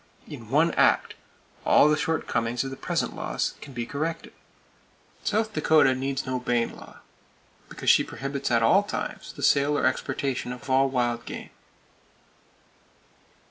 In one act, all the shortcomings of the present laws can be corrected. South Dakota needs no Bayne law, because she prohibits at all times the sale or exportation of all wild game.